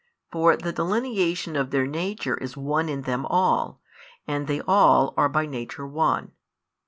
For the delineation of their nature is one in them all, and they all are by nature one.